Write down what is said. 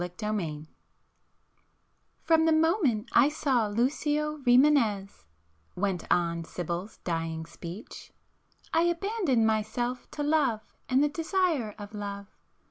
[p 415]XXXVI "From the moment I saw Lucio Rimânez"—went on Sibyl's 'dying speech'—"I abandoned myself to love and the desire of love.